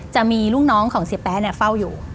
จะมีลูกน้องของเสียแป๊ะเฝ้าอยู่